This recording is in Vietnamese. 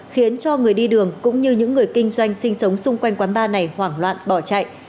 khiến cho người đi đường cũng như những người kinh doanh sinh sống xung quanh quán bar này hoảng loạn bỏ chạy